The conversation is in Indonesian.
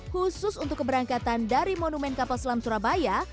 khusus untuk keberangkatan dari monumen kapal selam surabaya